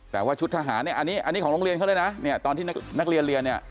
แต่ว่าชุดทหารเนี่ยอันนี้อันนี้ของโรงเรียนเขาเลยนะเนี่ยตอนที่นักเรียนเรียนเนี่ย